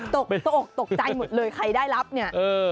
ตกตกตกใจหมดเลยใครได้รับเนี่ย